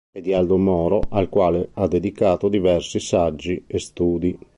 È di Aldo Moro, al quale ha dedicato diversi saggi e studi.